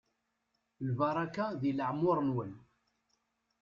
Lbaraka di leɛmur-nwen.